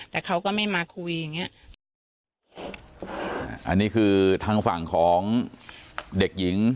แต่เขาก็ไม่มาคุยอย่างเงี้ยอันนี้คือทางฝั่งของเด็กหญิง